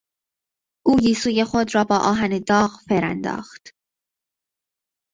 او گیسوی خود را با آهن داغ فر انداخت.